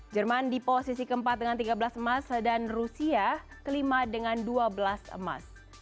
jerman di posisi keempat dengan tiga belas emas dan rusia kelima dengan dua belas emas